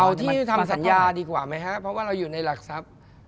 เอาที่ทำสัญญาดีกว่าไหมครับเพราะว่าเราอยู่ในหลักทรัพย์